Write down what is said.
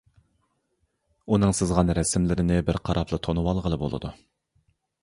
ئۇنىڭ سىزغان رەسىملىرىنى بىر قاراپلا تونۇۋالغىلى بولىدۇ.